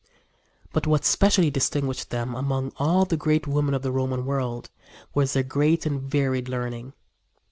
But what specially distinguished them among all the great women of the Roman world was their great and varied learning.